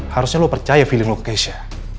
harusnya lo percaya feeling lo ke keisha